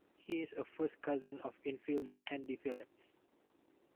He is a first cousin of infielder Andy Phillips.